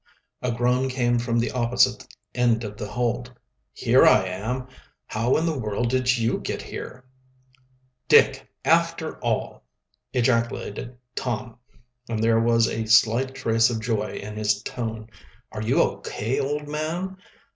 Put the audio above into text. A groan came from the opposite end of the hold. "Here I am. How in the world did you get here?" "Dick, after all!" ejaculated Tom, and there was a slight trace of joy in his tone. "Are you O. K., old man?"